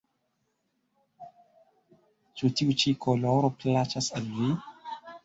Ĉu tiu ĉi koloro plaĉas al vi?